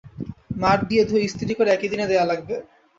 মাড় দিয়ে, ধুয়ে, ইস্তিরি করে একই দিনে দেয়া লাগবে।